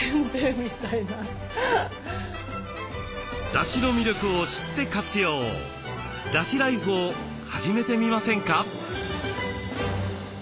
だしの魅力を知って活用！だしライフを始めてみませんか？